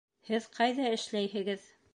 Һеҙ ҡайза эшләйһегеҙ?